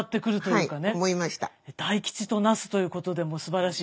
大吉と成すということでもうすばらしい。